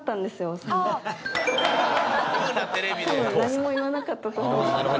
多分何も言わなかったと思う。